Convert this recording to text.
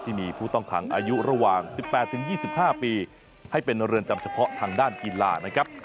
ที่มีผู้ต้องขังอายุระหว่าง๑๘๒๕ปีให้เป็นเรือนจำเฉพาะทางด้านกีฬานะครับ